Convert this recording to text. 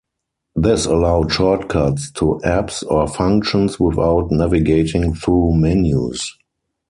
This allowed shortcuts to apps or functions without navigating through menus.